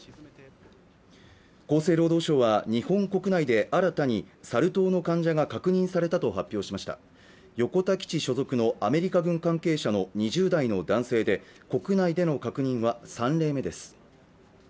厚生労働省は日本国内で新たにサル痘の患者が確認されたと発表しました横田基地所属のアメリカ軍関係者の２０代の男性で国内での確認は３例目です